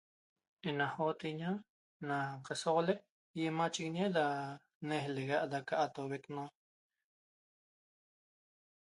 Ena hoteña na casoxolec imaa' chiguiñe da nelega da ca atobueqma